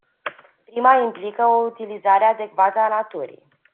Prima implică o utilizare adecvată a naturii.